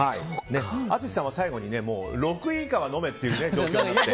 淳さんは最後に６位以下は飲めという状況になって。